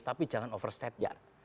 tapi jangan overstatian